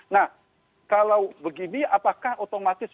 nah kalau begini apakah otomatis